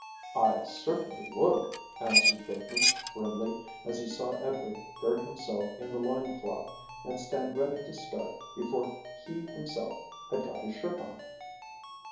"I certainly would," answered Bateman, grimly, as he saw Edward gird himself in the loincloth and stand ready to start before he himself had got his shirt on.